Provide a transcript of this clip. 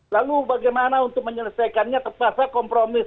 lalu bagaimana untuk menyelesaikannya terpaksa kompromis